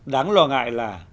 đáng lo ngại là